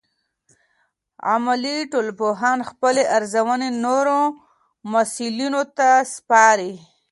عملي ټولنپوهان خپلې ارزونې نورو مسؤلینو ته سپاري.